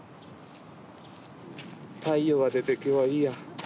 太陽が出て今日はいいや。